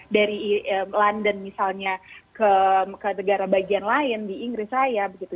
dari london misalnya ke negara bagian lain di inggris saya begitu